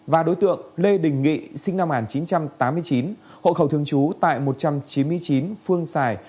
và đối tượng lê đình nghị sinh năm một nghìn chín trăm tám mươi chín hộ khẩu thường trú tại một trăm chín mươi chín phương sài